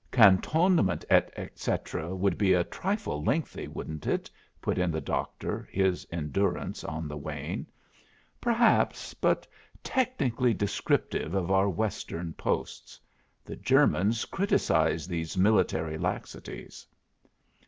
"Cantonment Et Cetera would be a trifle lengthy, wouldn't it?" put in the Doctor, his endurance on the wane. "Perhaps; but technically descriptive of our Western posts. The Germans criticise these military laxities."